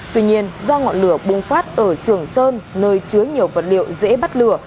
tuy nhiên do ngọn lửa bùng phát ở sưởng sơn nơi chứa nhiều vật liệu dễ bắt lửa